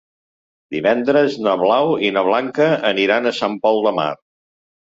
Divendres na Blau i na Blanca aniran a Sant Pol de Mar.